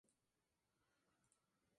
Una de estas canciones era "Kiss Me, Baby".